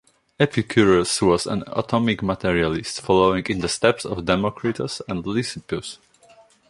Epicurus was an atomic materialist, following in the steps of Democritus and Leucippus.